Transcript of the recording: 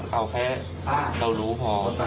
เอาแค่เรารู้พอ